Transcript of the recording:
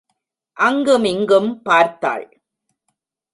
அங்கு மிங்கும் பார்த்தாள்.